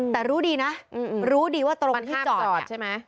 แต่รู้ดีนะรู้ดีว่าตรงที่จอดมันห้ามจอดใช่ไหม